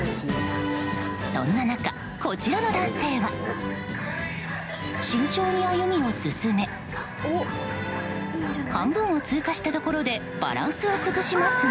そんな中、こちらの男性は慎重に歩みを進め半分を通過したところでバランスを崩しますが。